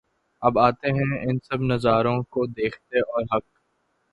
اب آتے ہیں ان سب نظاروں کو دیکھتے اور حق